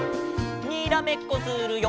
にらめっこするよ！